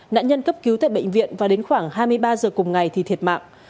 nạn nhân cấp cứu tại bệnh viện và đến khoảng hai mươi ba giờ cùng ngày thì thiệt mạng